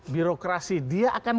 birokrasi dia akan